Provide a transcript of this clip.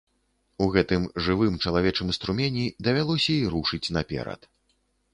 У гэтым жывым чалавечым струмені давялося і рушыць наперад.